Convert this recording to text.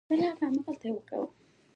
هغه په جګړه کې شهید شو.